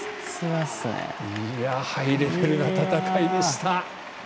ハイレベルな戦いでした。